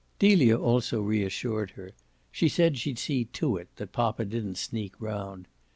Delia also reassured her; she said she'd see to it that poppa didn't sneak round.